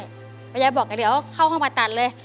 ไม่พยายามบอกค่ะเดี๋ยวเข้าเข้ามาตัดเลย